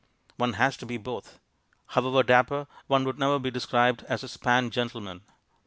One has to be both; however dapper, one would never be described as a span gentleman.